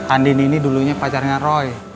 andien ini dulunya pacar dengan roy